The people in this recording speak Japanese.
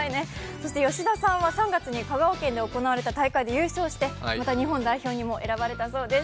そして吉田さんは３月に香川県で行われた大会で優勝してまた日本代表にも選ばれたそうです。